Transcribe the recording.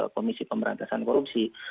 komisi pemberantasan korupsi